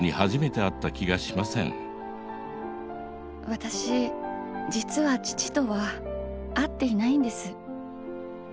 私実は父とは会っていないんです。